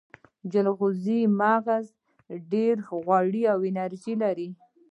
د جلغوزیو مغز ډیر غوړ او انرژي لري.